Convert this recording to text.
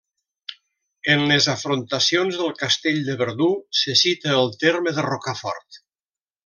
En les afrontacions del castell de Verdú se cita el terme de Rocafort.